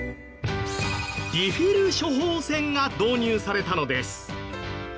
リフィル処方箋が導入されたのです。